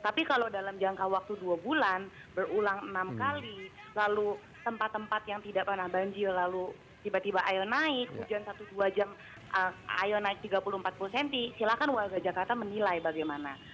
tapi kalau dalam jangka waktu dua bulan berulang enam kali lalu tempat tempat yang tidak pernah banjir lalu tiba tiba air naik hujan satu dua jam air naik tiga puluh empat puluh cm silahkan warga jakarta menilai bagaimana